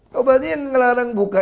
berarti yang ngelarang buka